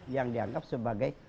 yang dianggap sebagai